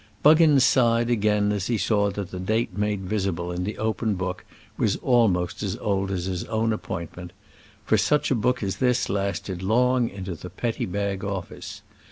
Buggins sighed again as he saw that the date made visible in the open book was almost as old as his own appointment; for such a book as this lasted long in the Petty Bag Office.